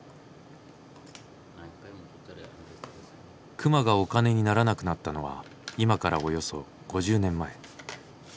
熊がお金にならなくなったのは今からおよそ５０年前。